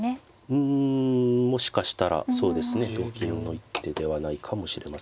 うんもしかしたらそうですね同金の一手ではないかもしれませんし。